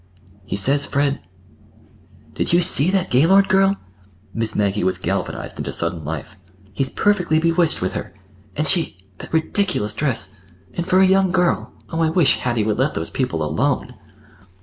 "He says Fred—" "Did you see that Gaylord girl?" Miss Maggie was galvanized into sudden life. "He's perfectly bewitched with her. And she—that ridiculous dress—and for a young girl! Oh, I wish Hattie would let those people alone!"